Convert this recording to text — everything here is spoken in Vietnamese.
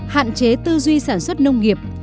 hạn chế tư duy sản xuất nông nghiệp